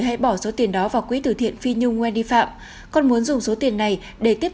hãy bỏ số tiền đó vào quỹ tử thiện phi nhung wendy phạm con muốn dùng số tiền này để tiếp